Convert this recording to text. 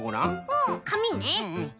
うんかみね。